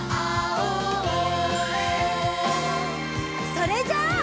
それじゃあ。